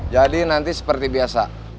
jadi nanti seperti biasa